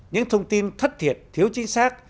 những thông tin thất thiệt thiếu chính xác